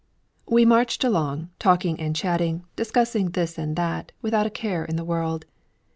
We marched along, talking and chatting, discussing this and that, without a care in the world.